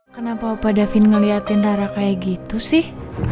kenapa pak davin ngeliatin rara kayak gitu sih